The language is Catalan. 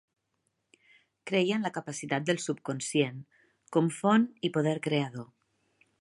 Creia en la capacitat del subconscient, com font i poder creador.